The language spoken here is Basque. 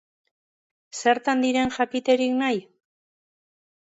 Zertan diren jakiterik nahi?